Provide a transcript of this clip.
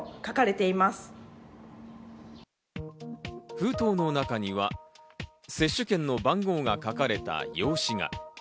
封筒の中には接種券の番号が書かれた用紙が。